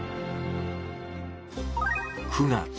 ９月。